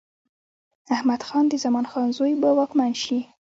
احمد خان د زمان خان زوی به واکمن شي.